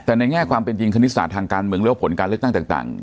แต่ในแง่ความเป็นจริงคณิตศาสตร์ทางการเมืองหรือว่าผลการเลือกตั้งต่าง